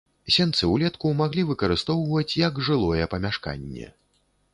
Сенцы ўлетку маглі выкарыстоўваць як жылое памяшканне.